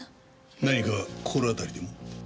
何か心当たりでも？